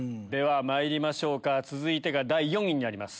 まいりましょうか続いてが第４位になります。